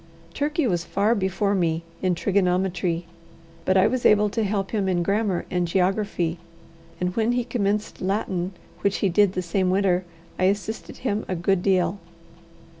Turkey was far before me in trigonometry, but I was able to help him in grammar and geography, and when he commenced Latin, which he did the same winter, I assisted him a good deal.